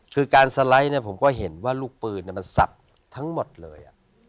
คือการสไลด์ผมก็เห็นว่าลูกปืนมันสับทั้งหมดเลย